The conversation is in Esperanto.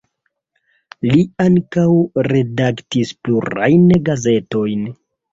Li ankaŭ redaktis plurajn gazetojn.